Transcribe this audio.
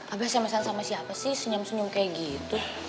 abah sama sama siapa sih senyum senyum kayak gitu